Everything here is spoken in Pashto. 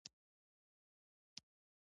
پسه او چینی او د دوی یاري ډېر خوند راکوي.